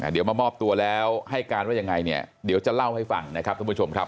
เดี๋ยวมามอบตัวแล้วให้การว่ายังไงเนี่ยเดี๋ยวจะเล่าให้ฟังนะครับทุกผู้ชมครับ